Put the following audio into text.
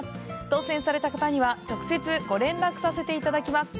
当せんされた方には、直接、ご連絡させていただきます。